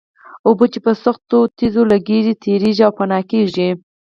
اوبه چې په سختو تېږو لګېږي تېرېږي او فنا کېږي.